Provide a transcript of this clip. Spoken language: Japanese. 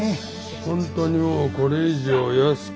本当にもうこれ以上安くならないの？